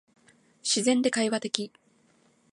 自然で会話的